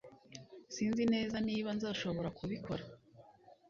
Sinzi neza niba nzashobora kubikora